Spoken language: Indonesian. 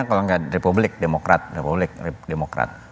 kalau enggak republik demokrat